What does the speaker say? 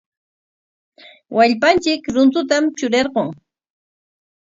Wallpanchik runtutam trurarqun.